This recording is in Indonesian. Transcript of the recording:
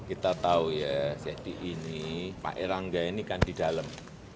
kita tahu ya jadi ini pak erlangga ini kan di dalam